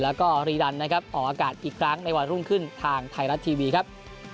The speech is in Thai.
แล้วก็รีรันนะครับออกอากาศอีกครั้งในวันรุ่งขึ้นทางไทยรัฐทีวีครับ